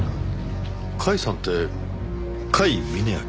甲斐さんって甲斐峯秋？